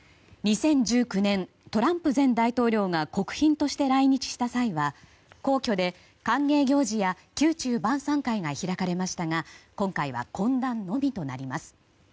２０１９年、トランプ前大統領が国賓として来日した際は皇居で歓迎行事や宮中晩さん会が開かれましたが今回は懇談のみとなります。